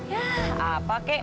ya apa kek